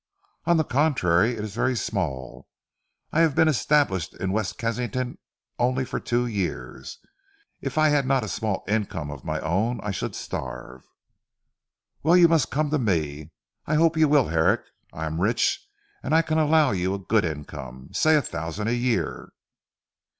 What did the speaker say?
"On the contrary it is very small. I have been established in West Kensington only for two years. If I had not a small income of my own I should starve." "Well you must come to me. I hope you will Herrick. I am rich, and I can allow you a good income say a thousand a year."